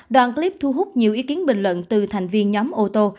đoàn clip thu hút nhiều ý kiến bình luận từ thành viên nhóm ô tô